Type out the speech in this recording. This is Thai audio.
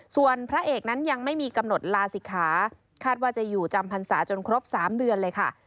ส่วนพระเอกนั้นยังไม่มีกำหนดลาศิกขาคาดว่าจะอยู่จำพรรษาจนครบ๓เดือนเลยค่ะ